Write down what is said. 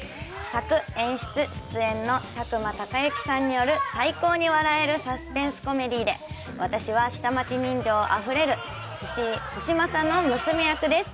作・演出・出演の宅間孝行さんによる最高に笑えるサスペンスコメディで私は下町人情あふれる寿司まさの娘役です。